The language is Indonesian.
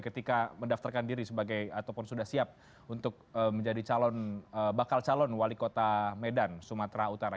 ketika mendaftarkan diri sebagai ataupun sudah siap untuk menjadi bakal calon wali kota medan sumatera utara